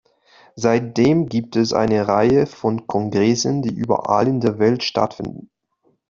Seitdem gibt es eine Reihe von Kongressen, die überall in der Welt stattfinden.